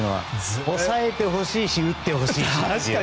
抑えてほしいし打ってほしいしという。